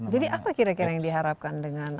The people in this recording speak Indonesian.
jadi apa kira kira yang diharapkan dengan